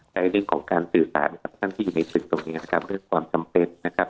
ในเรื่องของการสื่อสารกับท่านที่อยู่ในศึกตรงนี้นะครับเรื่องความจำเป็นนะครับ